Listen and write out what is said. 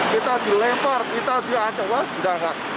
kita dilempar kita di ancur wah sudah gak